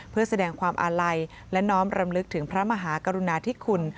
เพื่อแสดงความอาลัยและน้อมรำลึกถึงพระมหากรุณาธิคุณ